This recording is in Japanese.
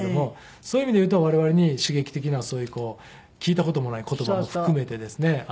そういう意味でいうと我々に刺激的なそういう聞いた事もない言葉を含めてですね。